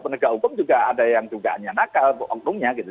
penegak hukum juga ada yang dugaannya nakal oknumnya gitu